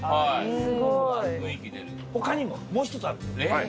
すごい。他にももう一つあるんです。